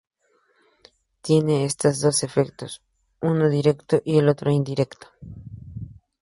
Tiene esta dos efectos, uno directo y otro indirecto.